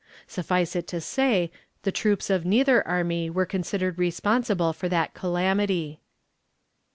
Suffice it to say, the troops of neither army were considered responsible for that calamity.